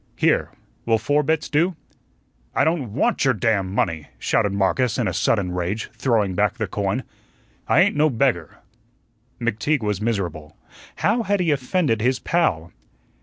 Here, will four bits do?" "I don't WANT your damn money," shouted Marcus in a sudden rage, throwing back the coin. "I ain't no beggar." McTeague was miserable. How had he offended his pal?